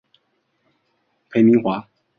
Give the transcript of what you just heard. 臧明华。